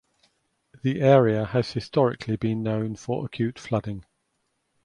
The area has historically been known for acute flooding.